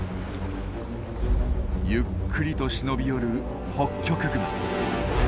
ゆっくりと忍び寄るホッキョクグマ。